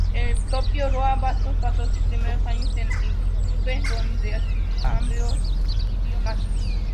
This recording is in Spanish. El propio Roa Bastos pasó sus primeros años en Iturbe, donde adquirió ambos idiomas.